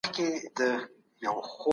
فعاليت اقتصادي ضرورت لري.